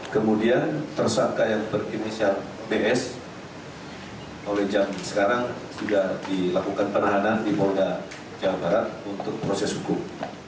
kemudian tersangka yang berinisial bs oleh jam sekarang sudah dilakukan penahanan di polda jawa barat untuk proses hukum